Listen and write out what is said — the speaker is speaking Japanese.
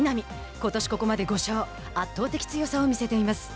ことし、ここまで５勝圧倒的強さを見せています。